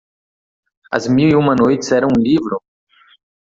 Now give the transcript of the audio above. As mil e uma noites era um livro?